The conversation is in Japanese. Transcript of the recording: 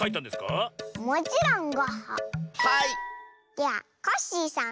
ではコッシーさん。